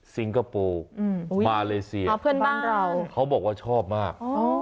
ซิงคโปร์มาเลเซียเขาบอกว่าชอบมาก